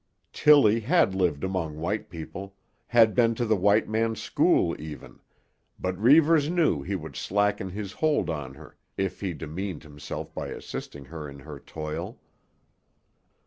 Tillie had lived among white people, had been to the white man's school even, but Reivers knew he would slacken his hold on her if he demeaned himself by assisting her in her toil.